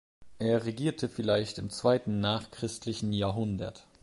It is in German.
Er regierte vielleicht im zweiten nachchristlichen Jahrhundert.